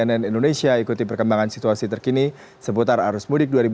cnn indonesia ikuti perkembangan situasi terkini seputar arus mudik dua ribu dua puluh